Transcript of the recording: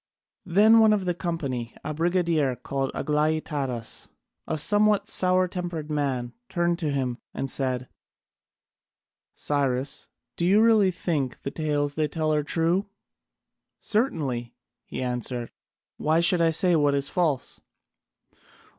Then one of the company, a brigadier called Aglaïtadas, a somewhat sour tempered man, turned to him and said: "Cyrus, do you really think the tales they tell are true?" "Certainly," he answered, "why should they say what is false?"